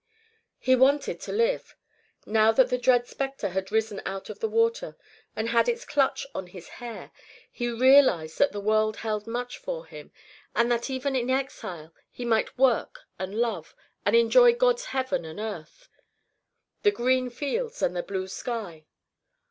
He wanted to live. Now that the dread spectre had risen out of the water and had its clutch on his hair, he realised that the world held much for him, and that even in exile he might work and love and enjoy God's heaven and earth, the green fields and the blue sky.